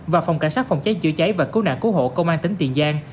và phòng cảnh sát phòng cháy chữa cháy và cứu nạn cứu hộ công an tỉnh tiền giang